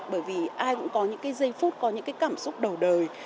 bởi vì ai cũng có những cái giây phút có những cái cảm xúc đầu đời